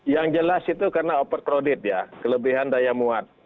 yang jelas itu karena overcrowded ya kelebihan daya muat